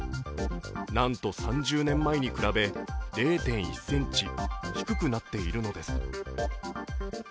なんと、３０年前に比べ０．１ｃｍ低くなっているのです。